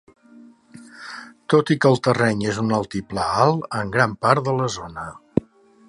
Tot i que el terreny és un altiplà alt en gran part de la zona.